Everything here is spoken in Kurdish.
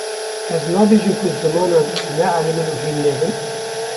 ez nabêjim ku zimanan nealimin û hîn nebin